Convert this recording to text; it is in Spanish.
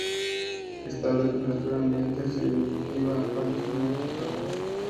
Estable a temperatura ambiente, se inactiva fácilmente por la luz.